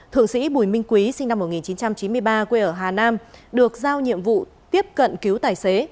thượng sĩ bùi minh quý sinh năm một nghìn chín trăm chín mươi ba quê ở hà nam được giao nhiệm vụ tiếp cận cứu tài xế